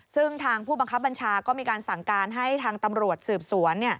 ซึ่งทางผู้บังคับบัญชาก็มีการสั่งการให้ทางตำรวจสืบสวน